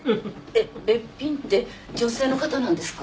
えっべっぴんって女性の方なんですか？